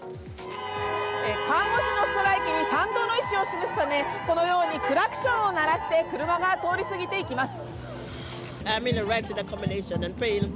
看護師のストライキに賛同の意思を示すためこのようにクラクションを鳴らして車が通り過ぎていきます。